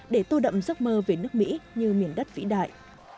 để tô đậm giấc mơ về nước mỹ như miền đất vĩ đại